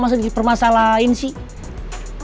masa dipermasalahin sih